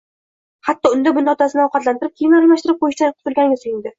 Hatto, unda-bunda otasini ovqatlantirib, kiyimlarini almashtirib qo`yishdan qutulganiga suyundi